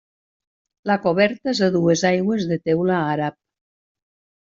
La coberta és a dues aigües de teula àrab.